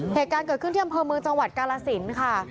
เหตุการณ์เกิดขึ้นที่อำเภอเมืองจังหวัดกาลสินค่ะ